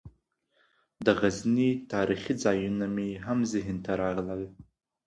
د غزني تاریخي ځایونه مې هم ذهن ته راغلل.